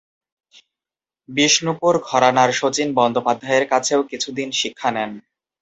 বিষ্ণুপুর ঘরানার শচীন বন্দ্যোপাধ্যায়ের কাছেও কিছু দিন শিক্ষা নেন।